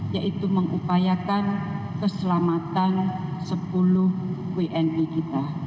yaitu mengupayakan keselamatan sepuluh wni kita